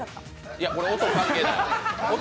いや、これ音は関係ない。